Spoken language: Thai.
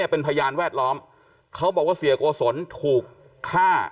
เป็นพยานแวดล้อมเขาบอกว่าเสียโกศลถูกฆ่า